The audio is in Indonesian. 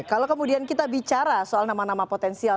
kalau kemudian kita bicara soal nama nama potensial